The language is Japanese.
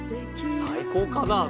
最高かな？